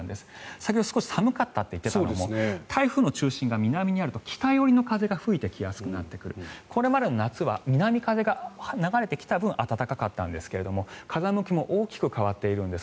先ほど少し寒かったと言っていたのも台風の中心が南にあると北寄りの風が吹いてきやすくなってくるこれまでの夏は南風が流れてきた分暖かかったんですが風向きも大きく変わっているんです